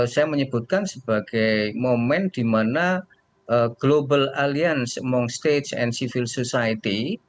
saya menyebutkan sebagai momen di mana global alliance among states and civil society